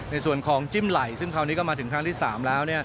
ในส่วนของจิ้มไหล่ซึ่งคราวนี้ก็มาถึงครั้งที่๓แล้ว